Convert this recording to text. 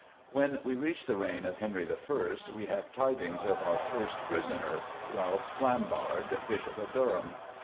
When we reach the reign of Henry I. we have tidings of our first prisoner, Ralph Flambard, Bishop of Durham.